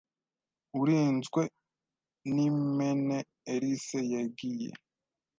Urinzwenimene elice yegiye